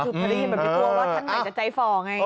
สุดท้ายเห็นแบบที่กลัวว่าท่านใหม่จะใจฝ่อไง